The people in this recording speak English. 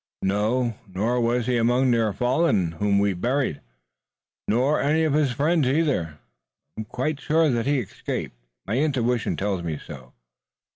"No, nor was he among their fallen whom we buried. Nor any of his friends either. I'm quite sure that he escaped. My intuition tells me so."